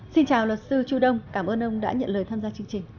xin chào luật sư chu đông cảm ơn ông đã nhận lời tham gia chương trình